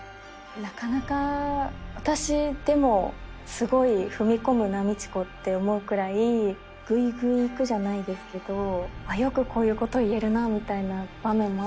なかなか私でもすごい踏み込むな路子って思うくらいぐいぐいいくじゃないですけどよくこういうこと言えるみたいな場面もあったりするので。